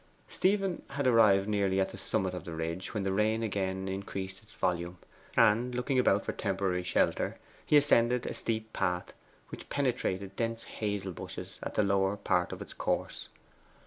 Stephen had arrived nearly at the summit of the ridge when the rain again increased its volume, and, looking about for temporary shelter, he ascended a steep path which penetrated dense hazel bushes in the lower part of its course.